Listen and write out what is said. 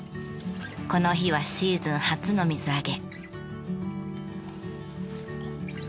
この日はシーズン初の水揚げ。